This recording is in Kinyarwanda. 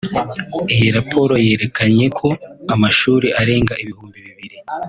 Iyi raporo yerekanye ko amashuri arenga ibihumbi bibiri